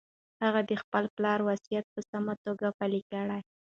هغه د خپل پلار وصیت په سمه توګه پلي کړ.